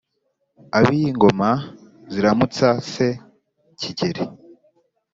aba iyo ingoma ziramutsa se kigeli